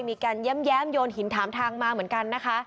มีการแย้มโยนหินถามทางมาเหมือนกันนะคะ